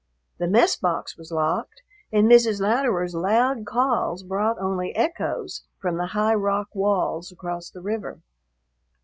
The mess box was locked and Mrs. Louderer's loud calls brought only echoes from the high rock walls across the river.